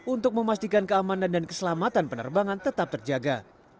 untuk memastikan keamanan dan keselamatan penerbangan tetap terjaga